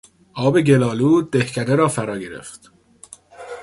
آب گلآلود دهکده را فرا گرفت.